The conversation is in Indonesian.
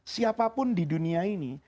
siapapun di dunia ini